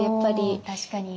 お確かに。